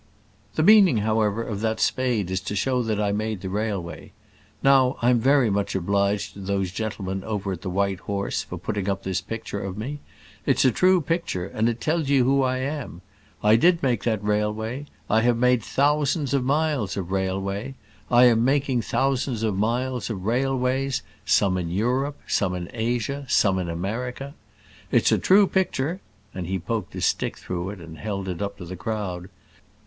"The meaning, however, of that spade is to show that I made the railway. Now I'm very much obliged to those gentlemen over at the White Horse for putting up this picture of me. It's a true picture, and it tells you who I am. I did make that railway. I have made thousands of miles of railway; I am making thousands of miles of railways some in Europe, some in Asia, some in America. It's a true picture," and he poked his stick through it and held it up to the crowd.